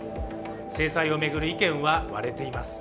制裁を巡る意見は割れています。